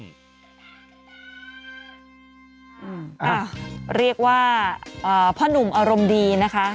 เรียกว่าพ่อหนุ่มอารมณ์ดีนะคะ